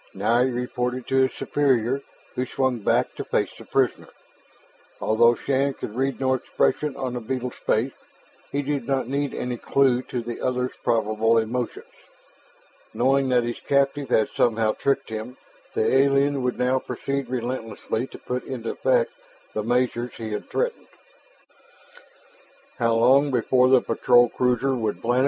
Now he reported to his superior, who swung back to face the prisoner. Although Shann could read no expression on the beetle's face, he did not need any clue to the other's probable emotions. Knowing that his captive had somehow tricked him, the alien would now proceed relentlessly to put into effect the measures he had threatened. How long before the patrol cruiser would planet?